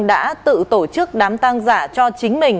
đã tự tổ chức đám tang giả cho chính mình